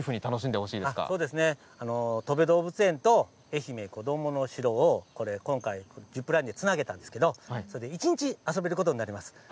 とべ動物園とえひめこどもの城を今回ジップラインでつないだんですけれどもそれで一日遊べることになります。